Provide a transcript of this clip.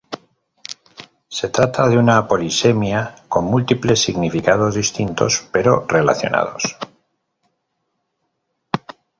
Se trata de una polisemia con múltiples significados distintos pero relacionados.